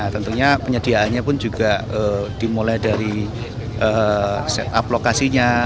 tentunya penyediaannya pun juga dimulai dari setup lokasinya